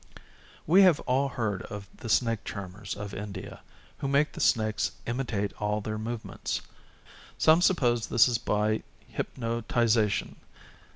We have all heard of the snake charmers of India, who make the snakes imitate all their movements. Some suppose this is by hypnotization.